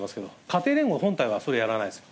家庭連合本体は、それはやらないです。